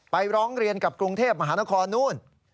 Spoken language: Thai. ร้องเรียนกับกรุงเทพมหานครนู่น